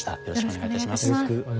よろしくお願いします。